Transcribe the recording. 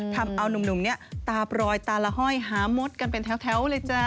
ทำเอานุ่มเนี่ยตาปลอยตาละห้อยหามดกันเป็นแถวเลยจ้า